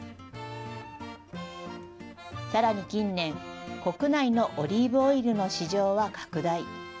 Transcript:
さらに近年、国内のオリーブオイルの市場は拡大。